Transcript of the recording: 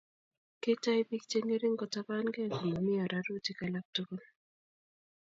kitau biik cheng'erik'kotabanngéi komamii ararutik alak tugul